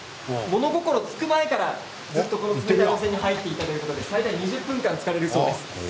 物心つく前からずっとこの冷たい温泉に入っているということで最大２０分間つかるそうです。